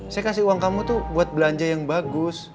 saya kasih uang kamu tuh buat belanja yang bagus